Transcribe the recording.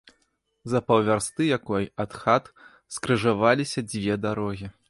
За паўвярсты якой ад хат скрыжаваліся дзве дарогі.